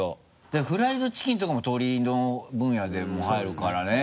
だからフライドチキンとかも鶏の分野でもあるからね。